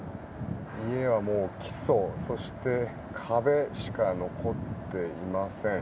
家はもう基礎そして壁しか残っていません。